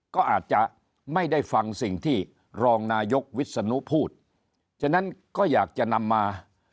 ก็อาจจะไม่ได้ฟังสิ่งที่รองนายกวิศนุพูดฉะนั้นก็อยากจะนำมา